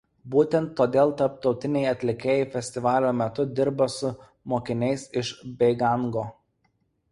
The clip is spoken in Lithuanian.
Būtent todėl tarptautiniai atlikėjai festivalio metu dirba su mokiniais iš Beigango.